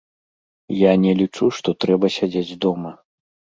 Я не лічу, што трэба сядзець дома.